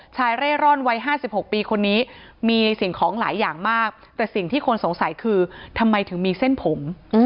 เร่ร่อนวัย๕๖ปีคนนี้มีสิ่งของหลายอย่างมากแต่สิ่งที่คนสงสัยคือทำไมถึงมีเส้นผม